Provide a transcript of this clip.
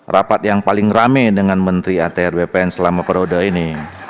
rapat yang paling rame dengan menteri atr bpn selama periode ini